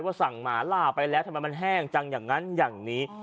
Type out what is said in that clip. สั่งหมาล่าไปแล้วทำไมมันแห้งจังอย่างนั้นอย่างนี้